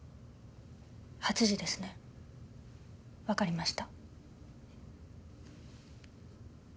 ８時ですねわかりました。